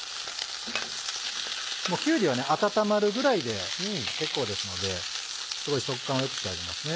きゅうりは温まるぐらいで結構ですのですごい食感を良く仕上げますね。